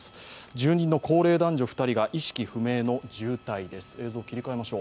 住人の高齢男女２人が意識不明の重体です。